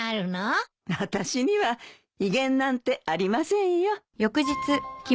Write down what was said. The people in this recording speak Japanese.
あたしには威厳なんてありませんよ。